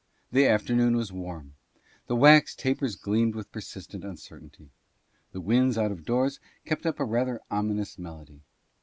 '' The afternoon was warm. The wax tapers gleamed with persistent uncertainty. The winds out of doors kept up a rather ominous melody.